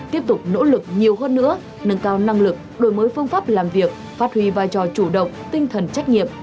tiếp tục nỗ lực nhiều hơn nữa nâng cao năng lực đổi mới phương pháp làm việc phát huy vai trò chủ động tinh thần trách nhiệm